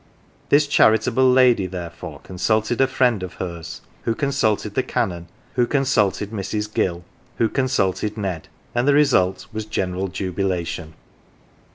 This charitable lady therefore consulted a friend of hers, who consulted the Canon, who consulted Mrs. Gill, who consulted Ned ; and the result was general jubilation.